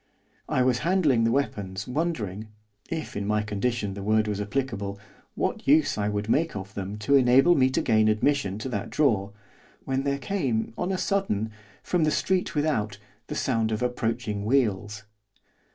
I was handling the weapons, wondering if, in my condition, the word was applicable what use I could make of them to enable me to gain admission to that drawer, when there came, on a sudden, from the street without, the sound of approaching wheels.